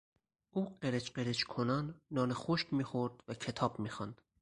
او قرچ قرچ کنان نان خشک میخورد و کتاب میخواند.